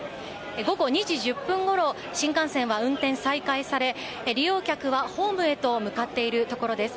午後２時１０分ごろ新幹線は運転再開され利用客はホームへと向かっているところです。